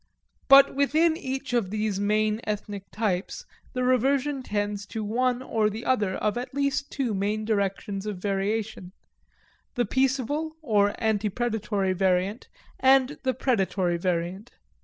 But within each of these main ethnic types the reversion tends to one or the other of at least two main directions of variation; the peaceable or antepredatory variant and the predatory variant.